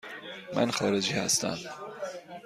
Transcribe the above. من خارجی هستم.